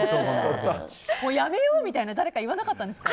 やめようみたいなこと誰か言わなかったんですか？